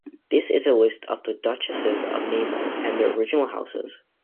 This is a list of the Duchesses of Nemours and their original houses.